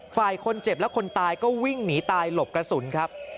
ฝ่ายคนเจ็บและคนตายก็วิ่งหนีตายหลบกระสุนครับ